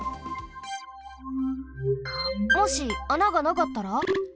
もし穴がなかったら？